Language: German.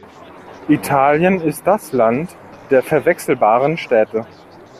Italien ist das Land der verwechselbaren Städte.